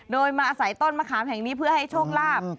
โดยมาอาศัยต้นมะขามแห่งนี้เพื่อให้โชคลาภ